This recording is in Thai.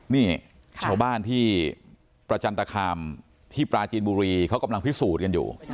นี่ชาวบ้านที่ประจันตคามที่ปราจีนบุรีเขากำลังพิสูจน์กันอยู่